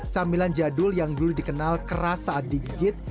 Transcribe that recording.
camilan jadul yang dulu dikenal keras saat digigit